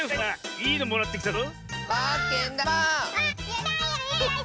いいのもらってきたぞ。